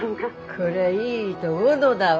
こりゃいいどごのだわ。